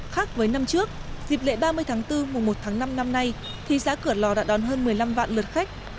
khác với năm trước dịp lễ ba mươi tháng bốn mùa một tháng năm năm nay thị xã cửa lò đã đón hơn một mươi năm vạn lượt khách